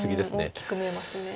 大きく見えますね。